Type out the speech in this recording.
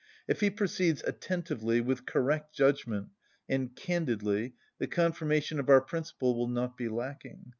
If he proceeds attentively, with correct judgment, and candidly, the confirmation of our principle will not be lacking.